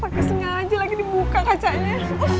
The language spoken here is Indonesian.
tapi sengaja lagi dibuka kacanya